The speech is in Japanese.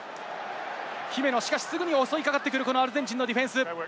姫野、しかしすぐに襲いかかってくる、アルゼンチンのディフェンス。